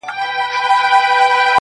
قتلول به یې مظلوم خلک بېځایه-